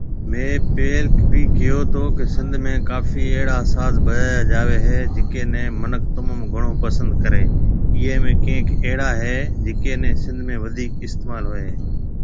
مينهه پيل بِي ڪهيو تو ڪي سنڌ ۾ ڪافي اهڙا ساز بجايا جاوي هي جڪي ني منک تموم گھڻو پسند ڪري ايئي ۾ ڪئينڪ اهڙا هي جڪي ني سنڌ ۾ وڌيڪ استعمال هوئي هي